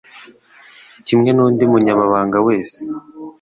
kimwe n'undi munyamahanga wese.